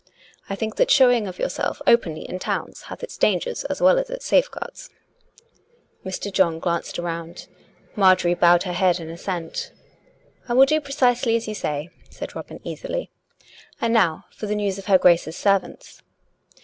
I think that showing of yourself openly in towns hath its dangers as well as its safeguards." Mr. John glanced round. Marjorie bowed her head in assent. " I will do precisely as you say," said Robin easily. " And now for the news of her Grace's servants."